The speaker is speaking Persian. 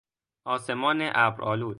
آسمان ابرآلود